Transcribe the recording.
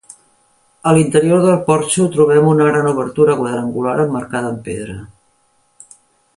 A l'interior del porxo trobem una gran obertura quadrangular emmarcada amb pedra.